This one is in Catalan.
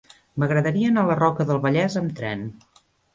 M'agradaria anar a la Roca del Vallès amb tren.